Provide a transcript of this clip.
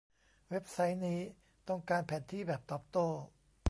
เว็บไซต์นี้ต้องการแผนที่แบบตอบโต้